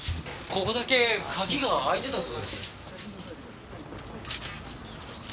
ここだけ鍵が開いてたそうです。